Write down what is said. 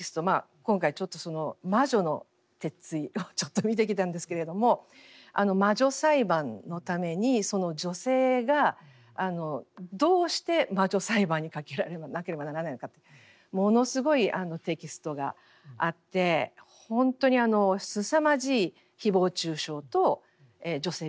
今回「魔女の鉄槌」をちょっと見てきたんですけれども魔女裁判のために女性がどうして魔女裁判にかけられなければならないのかってものすごいテキストがあって本当にすさまじい誹謗中傷と女性蔑視。